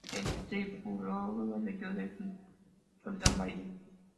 El trifluoruro de yodo es un sólido amarillo.